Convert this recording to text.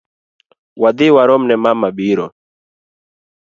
Wadhi waromne mama biro.